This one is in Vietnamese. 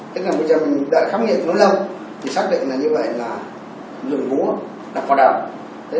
tức là bây giờ mình đã khám nghiệm lâu lâu thì xác định như vậy là vùng vúa là hoa đào